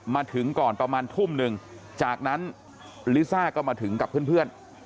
มาถึงก่อนประมาณทุ่มหนึ่งจากนั้นลิซ่าก็มาถึงกับเพื่อน